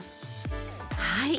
はい。